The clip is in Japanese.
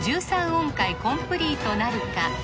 音階コンプリートなるか？